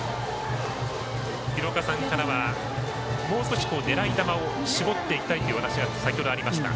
廣岡さんからはもう少し、狙い球を絞っていきたいというお話が先ほどありました。